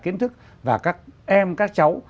kiến thức và các em các cháu